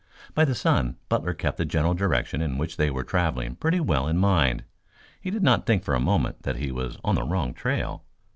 By the sun Butler kept the general direction in which they were traveling pretty well in mind. He did not think for a moment that he was on the wrong trail.